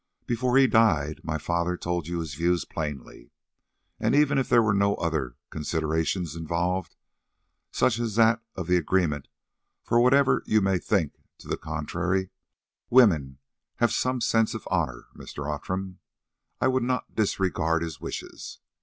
Before he died, my dear father told you his views plainly, and even if there were no other considerations involved, such as that of the agreement—for, whatever you may think to the contrary, woman have some sense of honour, Mr. Outram—I would not disregard his wishes.